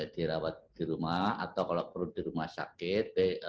dirawat di rumah atau kalau perlu di rumah sakit